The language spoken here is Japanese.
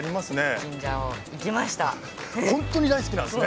本当に大好きなんですね。